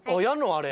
あれ。